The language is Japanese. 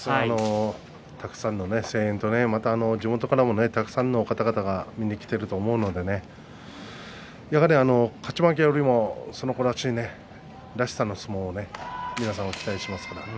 たくさんの声援と地元からもたくさんの方々が来ていると思うのでやはり勝ち負けよりもその子らしい、らしさの相撲を皆さん期待しますからね。